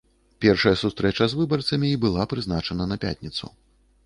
Першая сустрэча з выбарцамі і была прызначана на пятніцу.